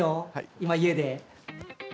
今、家で。